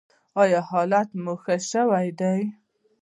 ایا حالت مو ښه شوی دی؟